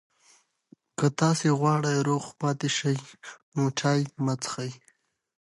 که تاسي غواړئ روغ پاتې شئ، نو چای مه څښئ.